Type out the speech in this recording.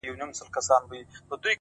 o په دغسي شېبو كي عام اوخاص اړوي سـترگي،